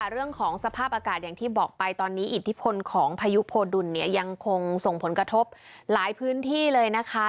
เรื่องของสภาพอากาศอย่างที่บอกไปตอนนี้อิทธิพลของพายุโพดุลเนี่ยยังคงส่งผลกระทบหลายพื้นที่เลยนะคะ